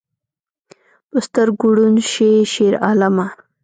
په سترګو ړوند شې شیرعالمه